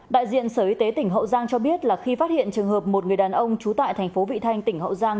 đại diện sở y tế tỉnh hậu giang cho biết là khi phát hiện trường hợp một người đàn ông trú tại thành phố vị thanh tỉnh hậu giang